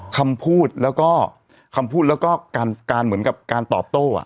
คำพูดแล้วก็คำพูดแล้วก็การเหมือนกับการตอบโต้